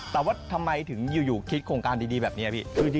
แต่ว่าทำไมถึงอยู่คิดโครงการดีแบบนี้พี่